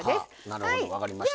なるほど分かりました。